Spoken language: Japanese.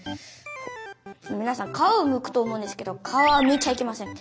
みなさん皮をむくと思うんですけど皮はむいちゃいけません。